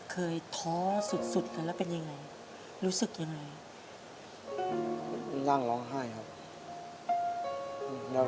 ท้อสุดสุดกันแล้วเป็นยังไงรู้สึกยังไงนั่งร้องไห้ครับ